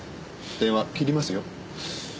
電話切りますよ。